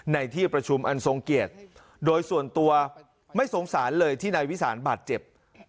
ในที่ประชุมอันทรงเกียรติโดยส่วนตัวไม่สงสารเลยที่นายวิสานบาดเจ็บ